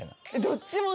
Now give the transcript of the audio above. どっちも。